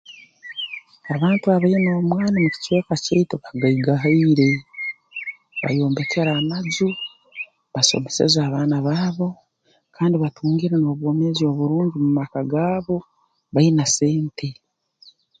Abantu abaine omwani mu kicweka kyaitu bagaigahaire bayombekere amaju basomeseze abaana baabo kandi batungire n'obwomeezi oburungi mu maka gaabo baine sente